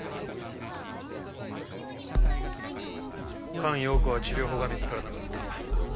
菅容子は治療法が見つからなかった。